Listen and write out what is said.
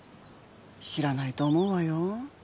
知らないと思うわよ。